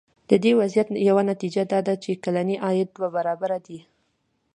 د دې وضعیت یوه نتیجه دا ده چې کلنی عاید دوه برابره دی.